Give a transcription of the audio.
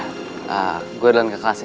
iya gue aduan ke kelas ya